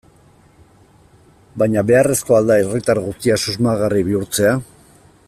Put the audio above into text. Baina, beharrezkoa al da herritar guztiak susmagarri bihurtzea?